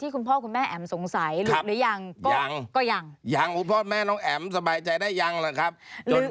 คือนี้เรื่องปกติ